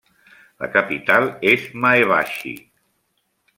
La capital és Maebashi.